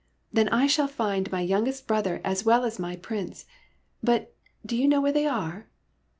" Then I shall find my youngest brother as well as my Prince. But do you know where they are